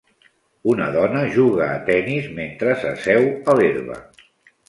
Una dona juga a tennis mentre s'asseu a l'herba.